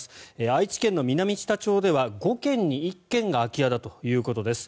愛知県の南知多町では５軒に１軒が空き家だということです。